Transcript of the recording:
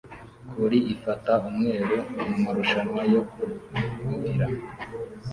Collie ifata umweru mumarushanwa yo kumvira